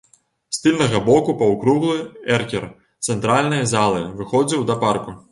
З тыльнага боку паўкруглы эркер цэнтральнай залы выходзіў да парку.